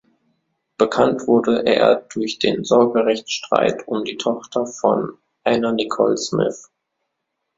Bekannt wurde er durch den Sorgerechtsstreit um die Tochter von Anna Nicole Smith.